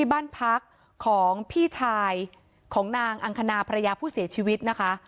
บ้านพักของพี่ชายของนางอังคณาภรรยาผู้เสียชีวิตนะคะ